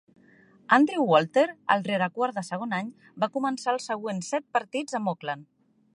Andrew Walter, el rerequart de segon any, va començar els següents set partits amb Oakland.